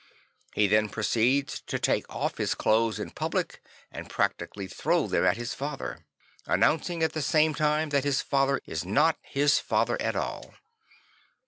He then proceeds to take off his clothes in public and practically throw them at his father; 7 2 St. Francis of Assisi announcing at the same time that his father is not his father at all.